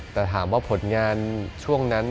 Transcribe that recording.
แต่ถามว่าผลงานช่วงนั้น